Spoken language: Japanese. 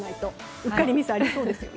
うっかりミスありそうですね。